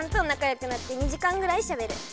よくなって２時間ぐらいしゃべる。